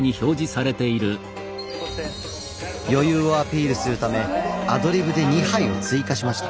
余裕をアピールするためアドリブで２杯を追加しました。